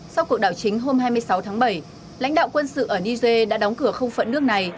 sau cuộc đảo chính hôm hai mươi sáu tháng bảy lãnh đạo quân sự ở niger đã đóng cửa không phận nước này